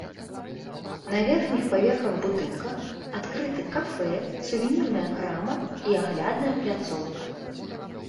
На верхніх паверхах будынка адкрыты кафэ, сувенірная крама і аглядная пляцоўка.